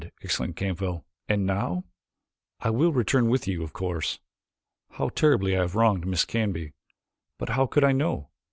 exclaimed Capell. "And now?" "I will return with you, of course. How terribly I have wronged Miss Canby, but how could I know?